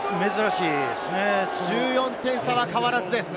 １４点差は変わらずです。